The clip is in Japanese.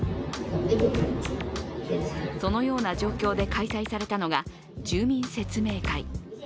そのような状況で開催されたのが住民説明会。